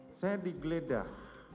oh saya tidak mengeledah